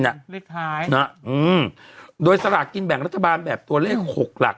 เลขท้ายนะอืมโดยสลากกินแบ่งรัฐบาลแบบตัวเลขหกหลัก